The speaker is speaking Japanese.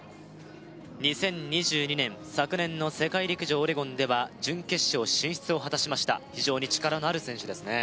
２０２２年昨年の世界陸上オレゴンでは準決勝進出を果たしました非常に力のある選手ですね